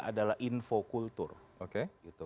adalah infokultur oke